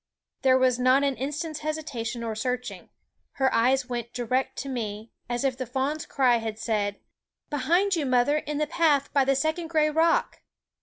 There was not an instant's hesitation or searching. Her eyes went direct to me, as if the fawn's cry had said: " Behind you, mother, in the path by the second gray rock